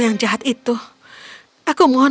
yang jahat itu aku mohon